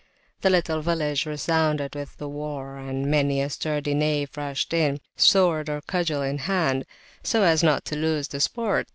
The little village resounded with the war, and many a sturdy knave rushed in, sword or cudgel in hand, so as not to lose the sport.